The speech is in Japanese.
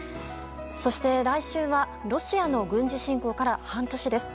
来週はロシアの軍事侵攻から半年です。